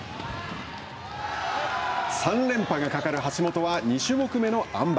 ３連覇がかかる橋本は２種目目のあん馬。